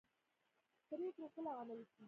پریکړې کله عملي کیږي؟